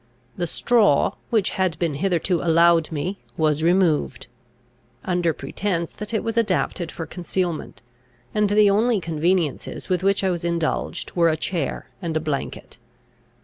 The straw, which had been hitherto allowed me, was removed, under pretence that it was adapted for concealment; and the only conveniences with which I was indulged, were a chair and a blanket.